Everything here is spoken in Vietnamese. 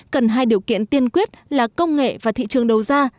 cần hai điều kiện tiên quyết là công nghệ và thị trường đầu ra